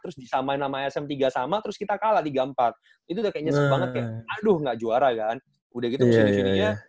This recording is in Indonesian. terus kita sama sama sm tiga dua sama terus kita kalah tiga empat itu udah kayaknya sengseng banget kayak aduh gak juara kan udah gitu kesini sininya